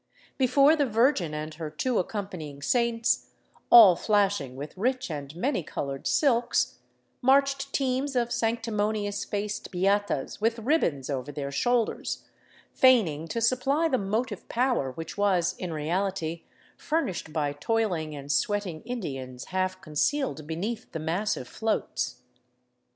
Before the Virgin and her two accompanying saints, all flashing with rich and many colored silks, marched teams of sanctimonious faced beatas with ribbons over their shoulders, feigning to supply the motive power which was, in reality, furnished by toiling and sweating Indians half concealed beneath the massive floats.